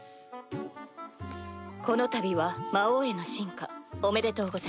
このたびは魔王への進化おめでとうございます。